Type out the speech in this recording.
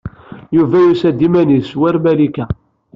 Yuba yusa-d iman-is, war Malika.